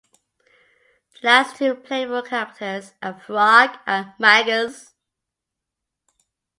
The last two playable characters are Frog and Magus.